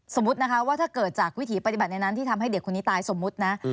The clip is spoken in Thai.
สมมุตินะคะว่าถ้าเกิดจากวิถีปฏิบัติในนั้นที่ทำให้เด็กคนนี้ตายสมมุตินะ